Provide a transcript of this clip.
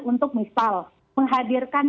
untuk misal menghadirkan